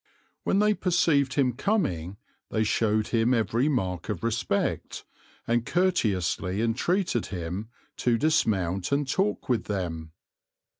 When they perceived him coming they showed him every mark of respect, and courteously entreated him to dismount and talk with them.